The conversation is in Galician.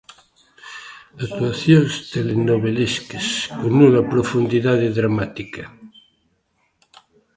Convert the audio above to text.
Actuacións telenovelescas con nula profundidade dramática.